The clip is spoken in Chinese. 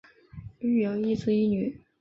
育有一子一女。